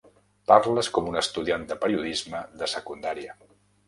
Parles com un estudiant de periodisme de secundària.